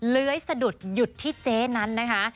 เลื้อยสะดุดหยุดที่เจ๊นั้นนะคะ